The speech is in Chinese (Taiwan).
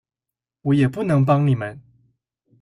我也不能幫你們